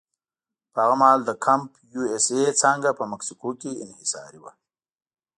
په هغه مهال د کمپ یو اس اې څانګه په مکسیکو کې انحصاري وه.